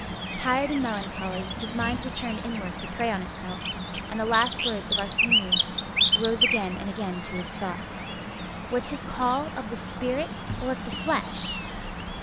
Tired and melancholy, his mind returned inward to prey on itself, and the last words of Arsenius rose again and again to his thoughts. 'Was his call of the spirit or of the flesh?